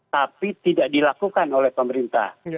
tapi tidak dilakukan oleh pemerintah